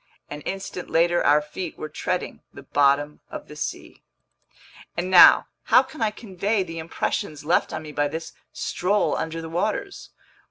An instant later our feet were treading the bottom of the sea. And now, how can I convey the impressions left on me by this stroll under the waters.